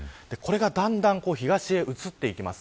これがだんだん東へ移っていきます。